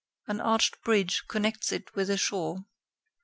An arched bridge connects it with the shore.